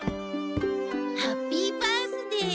ハッピー・バースデー！